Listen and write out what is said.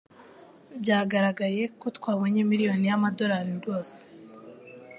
Byaragaragaye ko twabonye miliyoni y'amadolari rwose